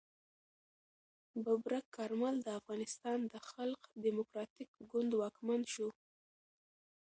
ببرک کارمل د افغانستان د خلق دموکراتیک ګوند واکمن شو.